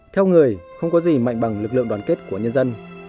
theo người không có gì mạnh bằng lực lượng đoàn kết của nhân dân